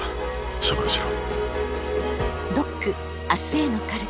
処分しろ。